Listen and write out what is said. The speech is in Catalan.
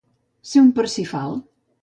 Ser un Parsifal.